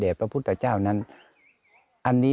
ได้เป็นใจนี่